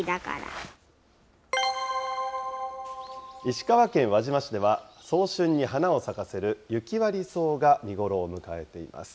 石川県輪島市では、早春に花を咲かせる雪割り草が見頃を迎えています。